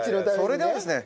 それではですね